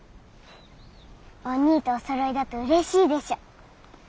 おにぃとおそろいだとうれしいでしょ？